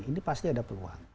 ini pasti ada peluang